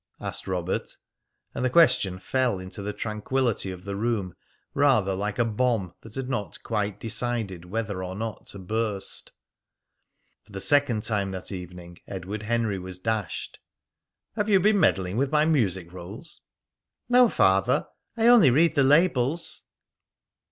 asked Robert; and the question fell into the tranquillity of the room rather like a bomb that had not quite decided whether or not to burst. For the second time that evening Edward Henry was dashed. "Have you been meddling with my music rolls?" "No, Father. I only read the labels."